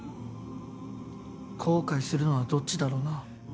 後悔するのはどっちだろうな。